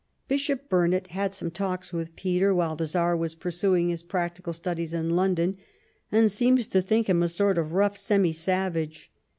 Bishop Burnet had some talks with Peter while the Czar was pursuing his practical studies in London, and seems to think him a sort of rough semi savage.